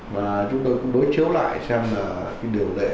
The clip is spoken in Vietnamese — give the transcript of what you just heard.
và chúng tôi cũng đối chiếu lại xem là điều này